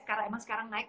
karena emang sekarang naik